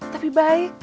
tapi juga keren